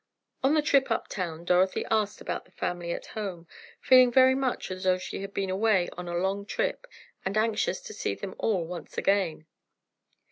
On the trip uptown, Dorothy asked about the family at home, feeling very much as though she had been away on a long trip and anxious to see them all once again.